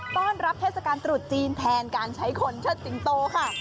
ต้อนรับเทศกาลตรุษจีนแทนการใช้คนเชิดสิงโตค่ะ